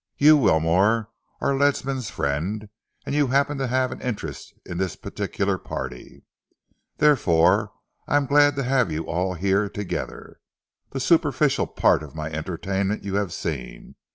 You, Wilmore, are Ledsam's friend, and you happen to have an interest in this particular party. Therefore, I am glad to have you all here together. The superficial part of my entertainment you have seen.